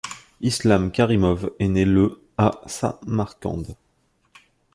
Islam Karimov est né le à Samarcande.